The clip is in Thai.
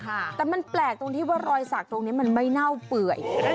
แต่มันแปลกตรงที่ว่ารอยสักตรงนี้มันไม่เน่าเปื่อย